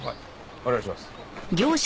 お願いします。